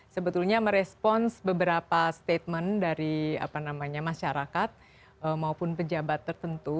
sebetulnya merespons beberapa statement dari masyarakat maupun pejabat tertentu